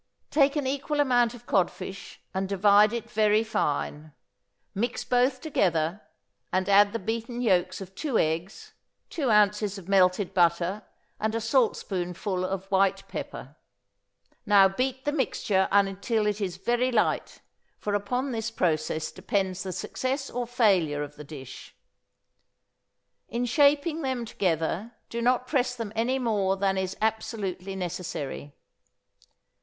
Take an equal amount of codfish, and divide it very fine. Mix both together, and add the beaten yolks of two eggs, two ounces of melted butter, and a saltspoonful of white pepper. Now beat the mixture until it is very light, for upon this process depends the success or failure of the dish. In shaping them together, do not press them any more than is absolutely necessary.